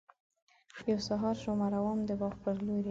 یو سهار شومه روان د باغ پر لوري.